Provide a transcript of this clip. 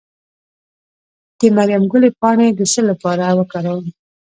د مریم ګلي پاڼې د څه لپاره وکاروم؟